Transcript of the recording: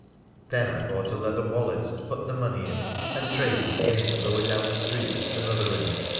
Then I bought a leather wallet and put the money in, and traded again lower down the street with another ring.